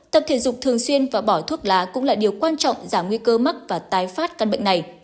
tập thể dục thường xuyên và bỏ thuốc lá cũng là điều quan trọng giảm nguy cơ mắc và tái phát căn bệnh này